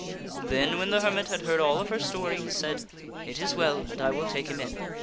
Then, when the hermit had heard all of her story, he said, " It is well and I will take him in."